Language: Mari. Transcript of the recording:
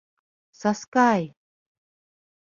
Саскай!